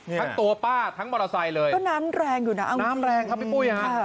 ทั้งตัวป้าทั้งมอเตอร์ไซค์เลยก็น้ำแรงอยู่นะน้ำแรงครับพี่ปุ้ยฮะ